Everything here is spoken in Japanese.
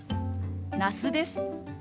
那須です。